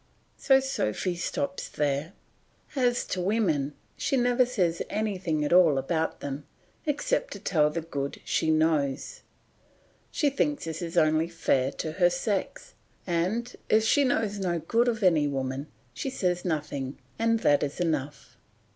So Sophy stops there. As to women she never says anything at all about them, except to tell the good she knows; she thinks this is only fair to her sex; and if she knows no good of any woman, she says nothing, and that is enough.